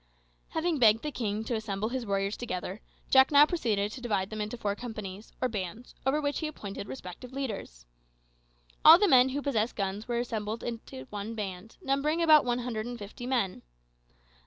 Having begged the king to assemble his warriors together, Jack now proceeded to divide them into four companies, or bands, over which he appointed respective leaders. All the men who possessed guns were assembled together in one band, numbering about one hundred and fifty men.